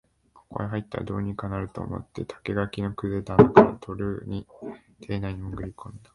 ここへ入ったら、どうにかなると思って竹垣の崩れた穴から、とある邸内にもぐり込んだ